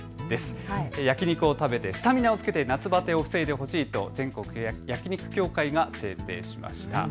焼き肉を食べてスタミナをつけて夏バテを防いでほしいと全国焼肉協会が制定しました。